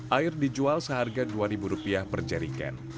air dijual seharga dua rupiah per jeriken